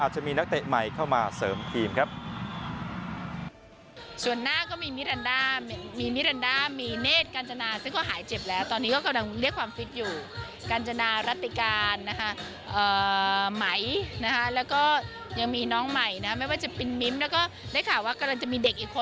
จะมีนักเตะใหม่เข้ามาเสริมทีมครับ